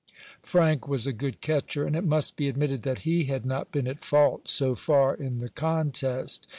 Frank was a good catcher, and it must be admitted that he had not been at fault so far in the contest.